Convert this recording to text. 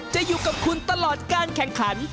จะอยู่กับคุณตลอดการแข่งขัน